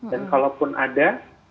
dan kalaupun ada